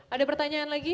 ada pertanyaan lagi